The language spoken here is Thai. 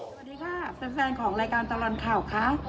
สวัสดีค่ะแฟนของรายการตลอดข่าวค่ะ